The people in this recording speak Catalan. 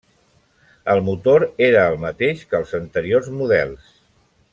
El motor era el mateix que els anteriors models.